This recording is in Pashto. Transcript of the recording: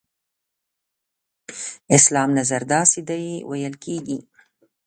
اسلام نظر داسې دی ویل کېږي.